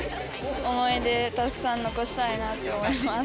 思い出たくさん残したいなと思います。